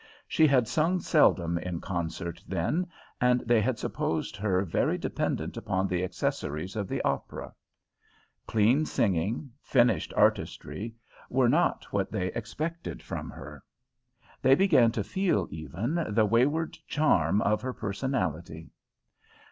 She had sung seldom in concert then, and they had supposed her very dependent upon the accessories of the opera. Clean singing, finished artistry, were not what they expected from her. They began to feel, even, the wayward charm of her personality.